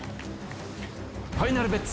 ファイナルベッツ！